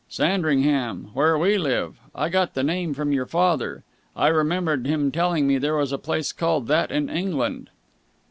"Sandringham. Where we live. I got the name from your father. I remember him telling me there was a place called that in England."